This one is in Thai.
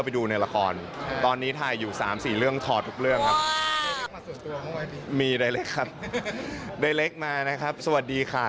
ไม่ไปส่งแบบนั้นล่ะค่ะ